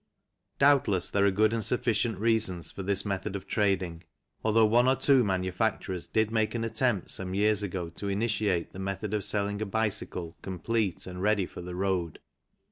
Doubtless there are good and sufficient reasons for this method of trading, although one or two manufacturers did make an attempt some years ago to initiate the method of selling a bicycle complete and ready for the road.